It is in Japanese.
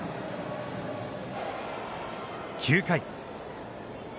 ９回。